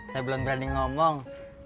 saya belum berani ngomong